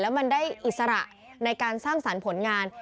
มันได้อิสระในการสร้างสรรค์ผลงาน